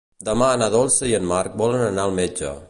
Demà na Dolça i en Marc volen anar al metge.